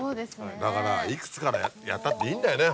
だから幾つからやったっていいんだよね